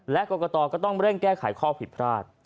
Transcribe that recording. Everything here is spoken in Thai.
และกรกตก็ต้องเร่งแก้ไขข้อผิดพลาด